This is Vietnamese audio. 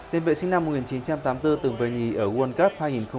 tiền vệ sinh năm một nghìn chín trăm tám mươi bốn từng về nhì ở world cup hai nghìn một mươi bốn